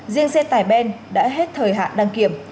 riêng xe tải ben đã hết thời hạn đăng kiểm